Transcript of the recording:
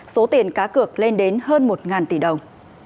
số tiền cá cược lên đến hơn một tỷ đồng